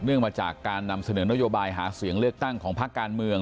มาจากการนำเสนอนโยบายหาเสียงเลือกตั้งของภาคการเมือง